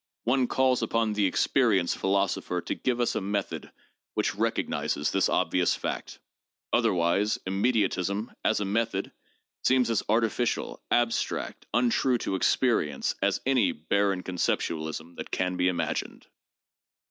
One calls upon the experience philosopher to give us a method which recognizes this obvious fact. Otherwise, immediatism, as a method, seems as artificial, abstract, untrue to experience, as any barren conceptualism that can be imagined.